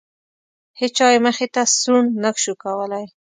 هیچا یې مخې ته سوڼ نه شو کولی.